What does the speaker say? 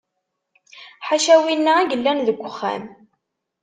Ḥaca winna i yellan deg uxxam.